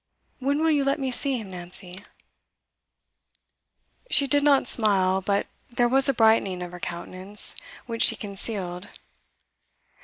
'When will you let me see him, Nancy?' She did not smile, but there was a brightening of her countenance, which she concealed.